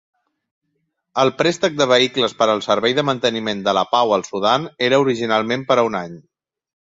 El préstec de vehicles per al servei de manteniment de la pau al Sudan era originalment per a un any.